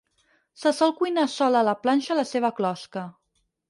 Se sol cuinar sola a la planxa a la seva closca.